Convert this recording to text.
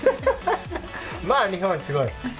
まあ、日本はすごい。